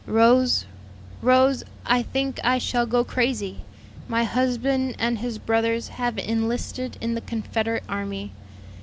"Rose, Rose, I think I shall go crazy! my husband and his brothers have enlisted in the Confederate army.